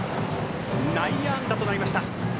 内野安打となりました。